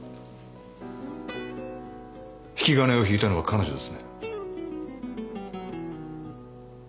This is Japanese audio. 引き金をひいたのは彼女ですね？